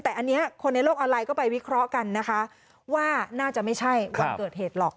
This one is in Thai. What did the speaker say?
แต่อันนี้คนในโลกออนไลน์ก็ไปวิเคราะห์กันนะคะว่าน่าจะไม่ใช่วันเกิดเหตุหรอก